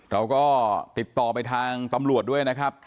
เราก็ติดต่อไปทางตำรวจด้วยนะครับ